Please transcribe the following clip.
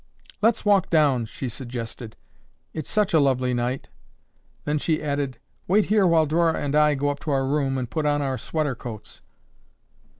"Let's walk down," she suggested. "It's such a lovely night." Then she added, "Wait here while Dora and I go up to our room and put on our sweater coats."